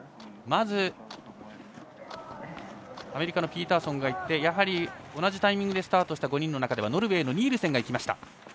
まず、アメリカのピーターソンがいってやはり、同じタイミングでスタートした５人の中では、ノルウェーのニールセンがいきました。